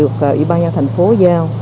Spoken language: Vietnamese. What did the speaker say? chỉ bao nhiêu thành phố giao